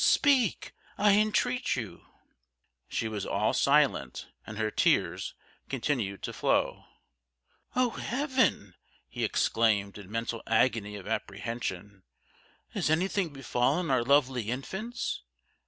Speak, I entreat you!" She was all silent, and her tears continued to flow. "O Heaven!" he exclaimed, in mental agony of apprehension, "has anything befallen our lovely infants?